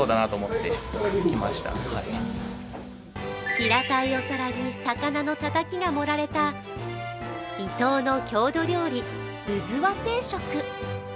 平たいお皿に魚のたたきが盛られた伊東の郷土料理、うずわ定食。